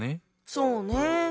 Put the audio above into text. そうね。